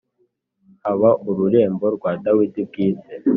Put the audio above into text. haba ururembo rwa Dawidi bwite.